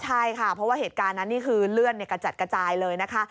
ใช่ค่ะเพราะว่าเหตุการณ์นั้นนี่คือเลื่อนกระจัดกระจายเลยนะคะ